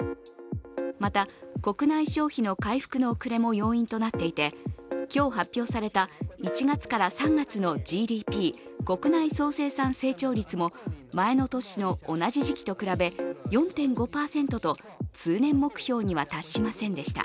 また、国内消費の回復の遅れも要因となっていて今日発表された１月から３月のＧＤＰ＝国内総生産成長率も前の年の同じ時期と比べ４．５％と通年目標には達しませんでした。